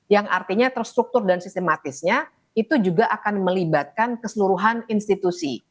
yang artinya terstruktur dan sistematisnya itu juga akan melibatkan keseluruhan institusi